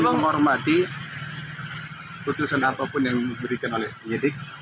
semua menghormati putusan apapun yang diberikan oleh penyidik